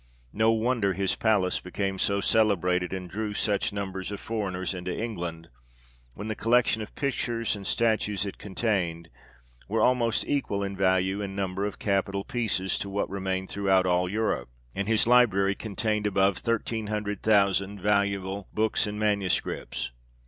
No wonder his palace became so celebrated, and drew such numbers of foreigners into England, when the collection of pictures and statues it contained were almost equal in value, and number of capital pieces, to what remained 42 THE REIGN OF GEORGE VI. throughout all Europe ; and his library contained above thirteen hundred thousand valuable books and manu scripts.